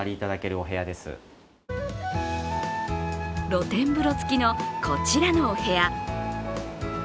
露天風呂付きのこちらのお部屋。